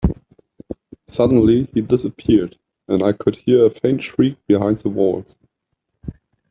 Suddenly, he disappeared, and I could hear a faint shriek behind the walls.